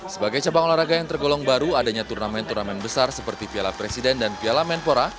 sebagai cabang olahraga yang tergolong baru adanya turnamen turnamen besar seperti piala presiden dan piala menpora